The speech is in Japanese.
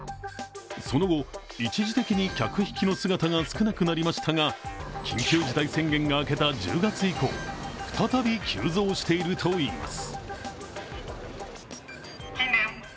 その後、一時的に客引きの姿が少なくなりましたが緊急事態宣言が明けた１０月以降、再び急増しているといいます。